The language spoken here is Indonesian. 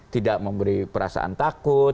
tidak memberi perasaan takut